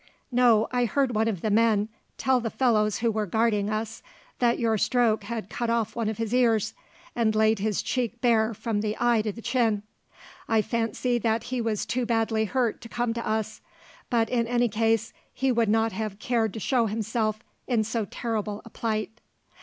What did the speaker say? "No. I heard one of the men tell the fellows who were guarding us that your stroke had cut off one of his ears, and laid his cheek bare from the eye to the chin. I fancy that he was too badly hurt to come to us, but in any case he would not have cared to show himself, in so terrible a plight."